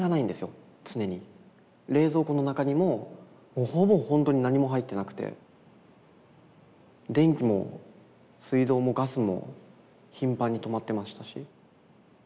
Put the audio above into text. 冷蔵庫の中にももうほぼほんとに何も入ってなくて電気も水道もガスも頻繁に止まってましたし。